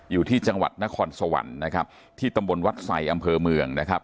อยู่ที่จังหวัดนครสวรรค์นะครับที่ตำบลวัดไสอำเภอเมืองนะครับ